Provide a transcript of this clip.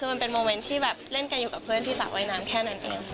คือมันเป็นโมเมนต์ที่แบบเล่นกันอยู่กับเพื่อนพี่สาวว่ายน้ำแค่นั้นเอง